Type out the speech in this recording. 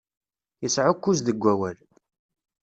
Isɛukkuz deg awal.